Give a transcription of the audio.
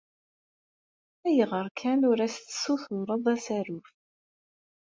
Ayɣer kan ur as-tessutureḍ asaruf?